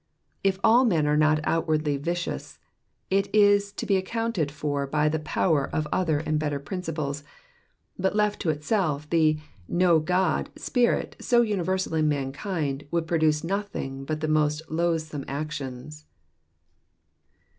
If all men are not outwardly vicious it is to be accounted for by the power of other and better principles, but left to itself the No God" spirit so universal in mankind would produce nothing but the most loathsome actions.